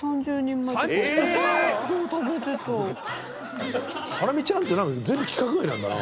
嘘やろ⁉ハラミちゃんって何か全部規格外なんだな。